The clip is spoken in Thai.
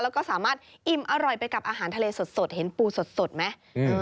แล้วก็สามารถอิ่มอร่อยไปกับอาหารทะเลสดเห็นปูสดไหม